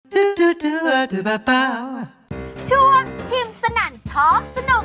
ด้วยด้วยด้วยด้วยบ่บ่อยช่วงชมเนินท้องสนุก